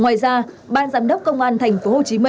ngoài ra bàn giám đốc công an quân hành vi ngược đãi hành hạ con cái